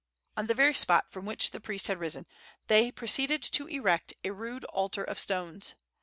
On the very spot from which the priest had risen they proceeded to erect a rude altar of stones.